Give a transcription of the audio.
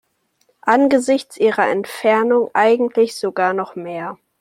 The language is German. Angesichts ihrer Entfernung eigentlich sogar noch mehr.